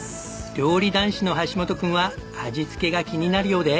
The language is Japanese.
料理男子の橋本くんは味付けが気になるようで。